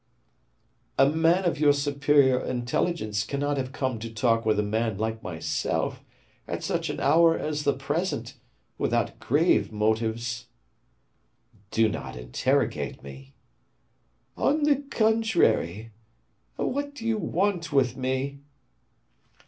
"A man of your superior intelligence cannot have come to talk with a man like myself, at such an hour as the present, without grave motives." "Do not interrogate me." "On the contrary. What do you want with me?"